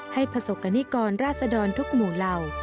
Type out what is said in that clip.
ให้พระศกนิกรราศดรทุกหมู่เหล่า